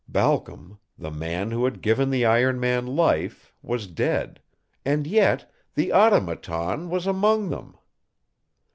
Balcom, the man who had given the iron man life, was dead. And yet the Automaton was among them!